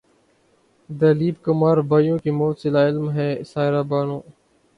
دلیپ کمار بھائیوں کی موت سے لاعلم ہیں سائرہ بانو